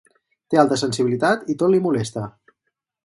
Té alta sensibilitat i tot li molesta.